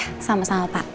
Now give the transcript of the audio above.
ya sama sama pak